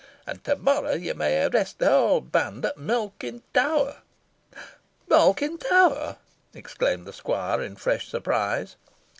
An to morrow yo may arrest the whole band at Malkin Tower." "Malkin Tower!" exclaimed the squire, in fresh surprise.